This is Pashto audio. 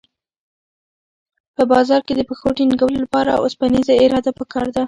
په بازار کې د پښو ټینګولو لپاره اوسپنیزه اراده پکار ده.